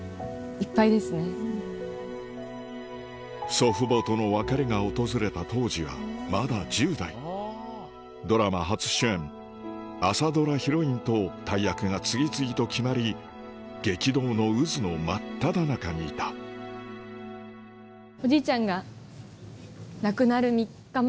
祖父母との別れが訪れた当時はまだ１０代ドラマ初主演朝ドラヒロインと大役が次々と決まり激動の渦の真っただ中にいた言われた。